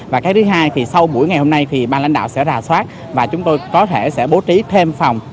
và cái thứ hai thì sau buổi ngày hôm nay thì ban lãnh đạo sẽ rà soát và chúng tôi có thể sẽ bố trí thêm phòng